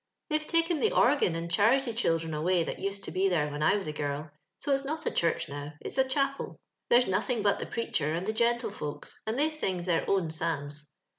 They've token the organ and charity children away that used to be there when I was a girl, so it's not a church now, it's ft Qhapflt There's notliing but the preacher find tho gentlefolks, and they sings their own psalms.